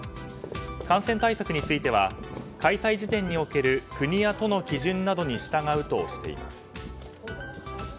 感染対策については開催時点における国や都の基準などに従うとしています。